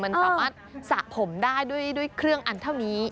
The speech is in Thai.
มันสามารถสระผมได้ด้วยเครื่องอันเท่านี้